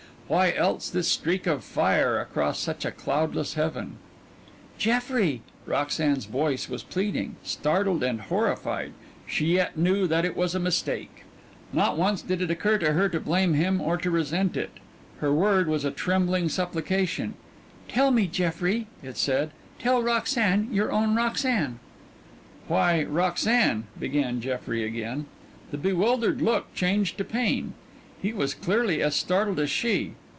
Why else this streak of fire, across such a cloudless heaven? "Jeffrey!" Roxanne's voice was pleading startled and horrified, she yet knew that it was a mistake. Not once did it occur to her to blame him or to resent it. Her word was a trembling supplication "Tell me, Jeffrey," it said, "tell Roxanne, your own Roxanne." "Why, Roxanne " began Jeffrey again. The bewildered look changed to pain. He was clearly as startled as she.